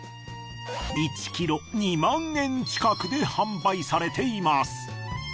１ｋｇ２万円近くで販売されています。